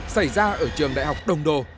xảy ra ở trường đại học đông đô